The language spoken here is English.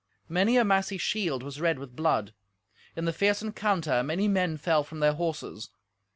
Many a massy shield was red with blood. In the fierce encounter many men fell from their horses.